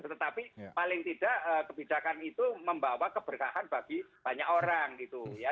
tetapi paling tidak kebijakan itu membawa keberkahan bagi banyak orang gitu ya